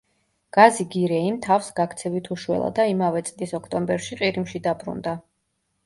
გაზი გირეიმ თავს გაქცევით უშველა და იმავე წლის ოქტომბერში ყირიმში დაბრუნდა.